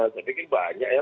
saya pikir banyak ya